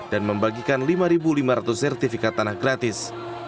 dan membagikan lima lima ratus sertifikat tanah gratis